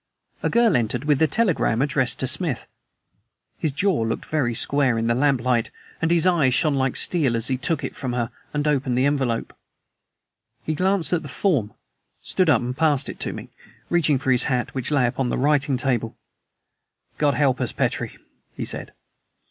A girl entered with a telegram addressed to Smith. His jaw looked very square in the lamplight, and his eyes shone like steel as he took it from her and opened the envelope. He glanced at the form, stood up and passed it to me, reaching for his hat, which lay upon my writing table. "God help us, Petrie!" he said.